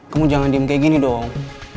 kamu jangan diem kaya gini doong